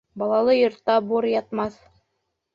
Балалы йортта бур ятмаҫ.